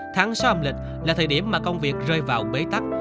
tháng sáu âm lịch là thời điểm mà công việc rơi vào bế tắc